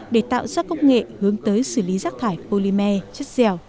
để tạo ra công nghệ hướng tới xử lý rác thải polymer chất dẻo